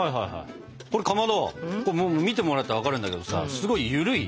これかまど見てもらったら分かるんだけどさすごいゆるい。